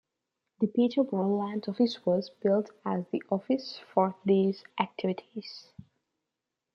The Peterboro Land Office was built as the office for these activities.